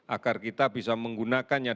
agar kita bisa menggunakan masker yang nyaman